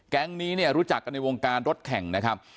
แก๊งนี้เนี่ยรู้จักกันในวงการรถแข่งนะครับ